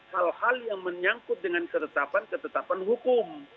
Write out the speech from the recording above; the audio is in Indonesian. hal hal yang menyangkut dengan ketetapan ketetapan hukum